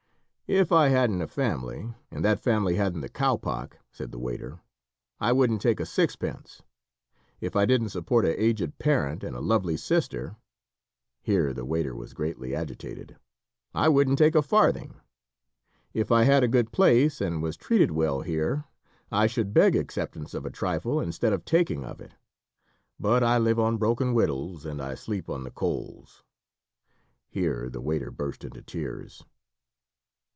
"If I hadn't a family, and that family hadn't the cowpock," said the waiter, "I wouldn't take a sixpence. If I didn't support a aged pairint, and a lovely sister," here the waiter was greatly agitated "I wouldn't take a farthing. If I had a good place, and was treated well here, I should beg acceptance of a trifle, instead of taking of it. But I live on broken wittles and I sleep on the coals" here the waiter burst into tears.